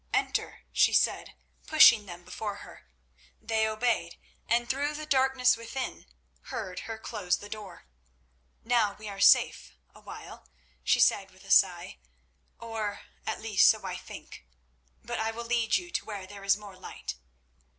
"Enter," she said, pushing them before her. They obeyed, and through the darkness within heard her close the door. "Now we are safe awhile," she said with a sigh, "or, at least, so I think. But I will lead you to where there is more light."